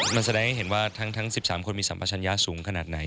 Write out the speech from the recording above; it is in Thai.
มันแสดงให้เห็นว่าทั้ง๑๓คนมีสัมปชัญญาสูงขนาดไหน